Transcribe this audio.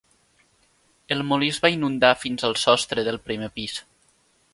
El molí es va inundar fins al sostre del primer pis.